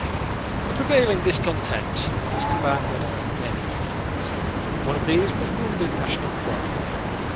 The prevailing discontent was compounded of many feelings. One of these was wounded national pride.